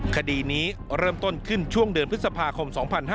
คดีนี้เริ่มต้นขึ้นช่วงเดือนพฤษภาคม๒๕๕๙